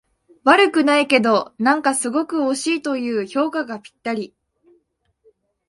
悪くないけど、なんかすごく惜しいという評価がぴったり